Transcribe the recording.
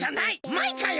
マイカよ！